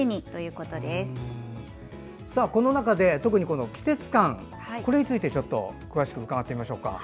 この中で特に季節感についてこれについてちょっと詳しく伺ってみましょうか。